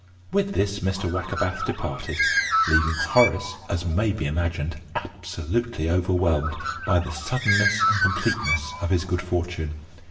With this Mr. Wackerbath departed, leaving Horace, as may be imagined, absolutely overwhelmed by the suddenness and completeness of his good fortune.